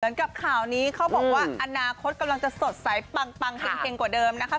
กับข่าวนี้เขาบอกว่าอนาคตกำลังจะสดใสปังเฮ็งกว่าเดิมนะคะ